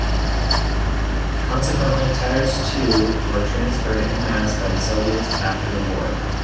Consequently, Tatars too were transferred en masse by the Soviets after the war.